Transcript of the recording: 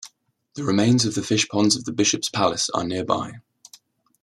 The remains of the fishponds of the bishop's palace are nearby.